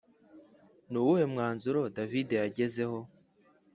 Ni uwuhe mwanzuro David yagezeho